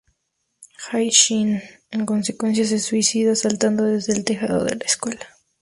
Hyo-Shin en consecuencia se suicida saltando desde el tejado de la escuela.